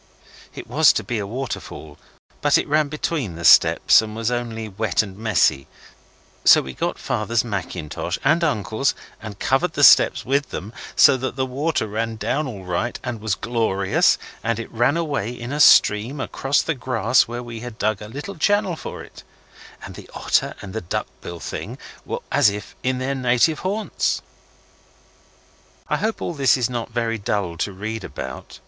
It was to be a waterfall, but it ran between the steps and was only wet and messy; so we got Father's mackintosh and uncle's and covered the steps with them, so that the water ran down all right and was glorious, and it ran away in a stream across the grass where we had dug a little channel for it and the otter and the duck bill thing were as if in their native haunts. I hope all this is not very dull to read about.